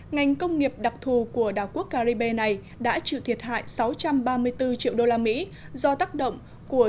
ngành công nghiệp đặc thù của đảo quốc caribe này đã chịu thiệt hại sáu trăm ba mươi bốn triệu usd do tác động của